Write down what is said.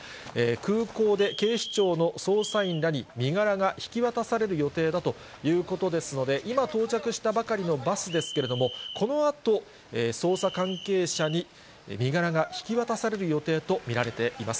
空港で警視庁の捜査員らに身柄が引き渡される予定だということですので、今、到着したばかりのバスですけれども、このあと、捜査関係者に身柄が引き渡される予定と見られています。